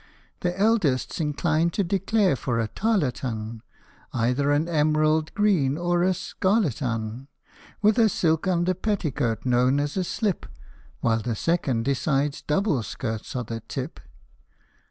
The eldest 's inclined to declare for a tarlatane, Either an emerald green or a scarlet 'un, With a silk under petticoat known as a slip ; While the second decides double skirts are "the tip."